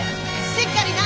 しっかりな！